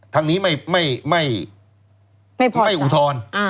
ทางนี้ไม่อูทร